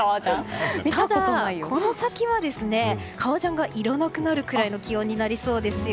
ただ、この先は革ジャンがいらなくなるくらいの気温になりそうですよ。